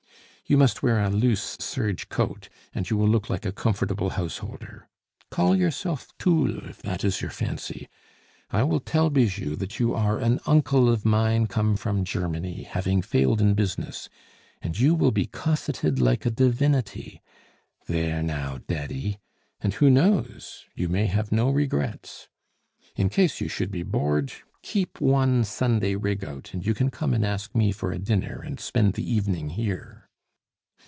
You must wear a loose serge coat, and you will look like a comfortable householder. Call yourself Thoul, if that is your fancy. I will tell Bijou that you are an uncle of mine come from Germany, having failed in business, and you will be cosseted like a divinity. There now, Daddy! And who knows! you may have no regrets. In case you should be bored, keep one Sunday rig out, and you can come and ask me for a dinner and spend the evening here."